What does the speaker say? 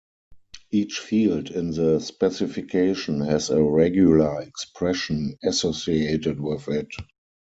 Each field in the specification has a regular expression associated with it.